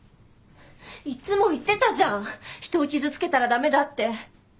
いっつも言ってたじゃん人を傷つけたらダメだって。